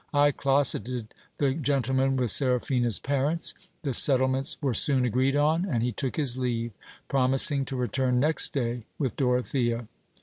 I closeted the gentleman with Seraphina's parents ; the settlements v. ere soon agreed on, and he took his leave, promising to return next day with Dorothea.